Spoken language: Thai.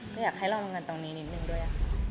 ก็อยากให้เราลงเงินตรงนี้นิดนึงด้วย